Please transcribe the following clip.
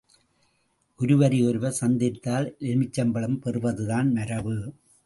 ஒருவரை ஒருவர் சந்தித்தால் எலுமிச்சம்பழம் பெறுவதுதான் மரபு!